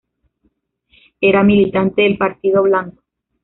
Era militante del Partido Blanco.